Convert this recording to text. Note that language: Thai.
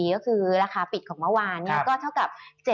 ก็คือราคาปิดของเมื่อวานเนี่ยก็เท่ากับ๗๗ได้